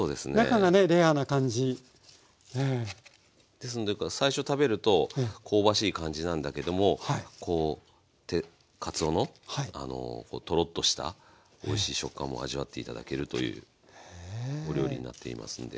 ですのでだから最初食べると香ばしい感じなんだけどもこうかつおのトロッとしたおいしい食感も味わって頂けるというお料理になっていますんで。